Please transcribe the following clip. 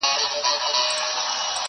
نه په پلونو نه په ږغ د چا پوهېږم،